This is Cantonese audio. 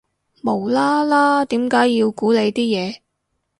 無啦啦點解要估你啲嘢